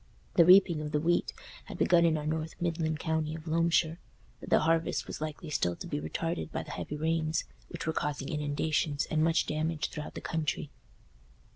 The reaping of the wheat had begun in our north midland county of Loamshire, but the harvest was likely still to be retarded by the heavy rains, which were causing inundations and much damage throughout the country.